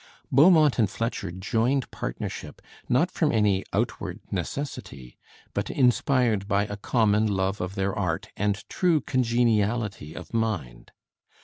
Beaumont and Fletcher joined partnership, not from any outward necessity, but inspired by a common love of their art and true congeniality of mind.